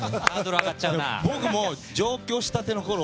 僕も上京したてのころ